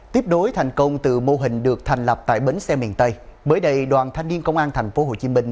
tiếp đối thành công từ mô hình được thành lập tại bến xe miền tây bới đây đoàn thanh niên công an thành phố hồ chí minh